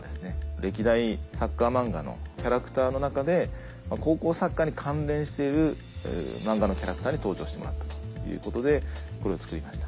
歴代サッカー漫画のキャラクターの中で高校サッカーに関連している漫画のキャラクターに登場してもらったということでこれを作りました。